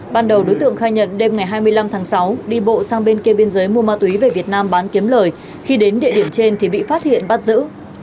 ban đầu đối tượng khai nhận đêm ngày hai mươi năm tháng sáu đi bộ sang bên kia biên giới mua ma túy về việt nam bán kiếm lời khi đến địa điểm trên thì bị phát hiện bắt giữ